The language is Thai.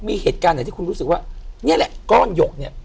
มีเหตุการณ์ไหนที่คุณรู้สึกว่านี่แหละก้อนหยกเนี่ย